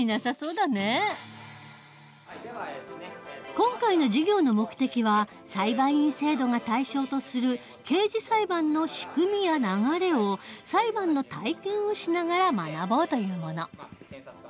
今回の授業の目的は裁判員制度が対象とする刑事裁判の仕組みや流れを裁判の体験をしながら学ぼうというもの。